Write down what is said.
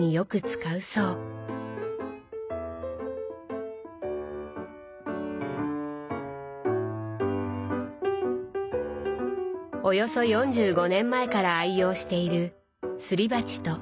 およそ４５年前から愛用しているすり鉢とすりこ木。